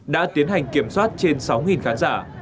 đã tiến hành kiểm soát trên sáu khán giả